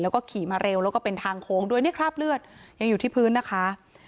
แล้วก็ขี่มาเร็วแล้วก็เป็นทางโค้งด้วยเนี่ยคราบเลือดยังอยู่ที่พื้นนะคะ